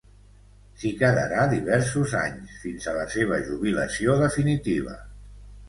S'hi quedarà diversos anys, fins a la seva jubilació definitiva.